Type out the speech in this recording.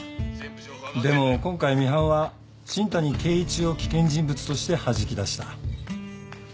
でも今回ミハンは新谷啓一を危険人物としてはじき出した。